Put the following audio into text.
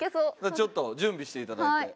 ちょっと準備していただいて。